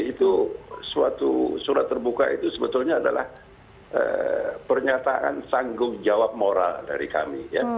itu suatu surat terbuka itu sebetulnya adalah pernyataan sanggup jawab moral dari kami